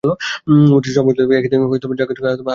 মুরসির সমর্থকদের দাবি, একই দিন জাগাজিগ শহরে আরও একজন নিহত হন।